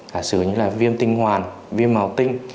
cả sử như viêm tinh hoàn viêm màu tinh